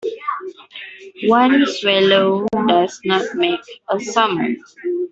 One swallow does not make a summer.